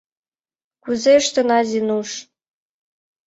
Кузе ыштена, Зинуш?